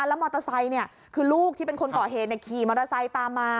แล้วมอเตอร์ไซค์คือลูกที่เป็นคนก่อเหตุขี่มอเตอร์ไซค์ตามมา